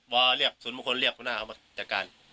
ว่าเรียกศูนย์บุคคลเรียกหัวหน้าเอามาจัดการ